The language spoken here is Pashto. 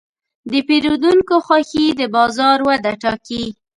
د پیرودونکو خوښي د بازار وده ټاکي.